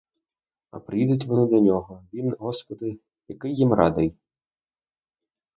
А приїдуть вони до нього — він, господи, який їм радий!